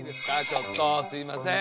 ちょっとすいません。